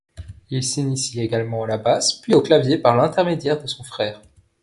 Il s'initie également à la basse, puis aux claviers par l'intermédiaire de son frère.